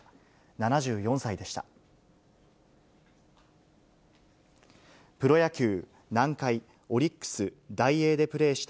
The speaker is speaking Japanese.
７４歳でした。